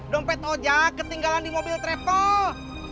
dompet oja ketinggalan di mobil travel